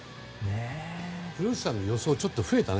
古内さんの予想ちょっと増えたね。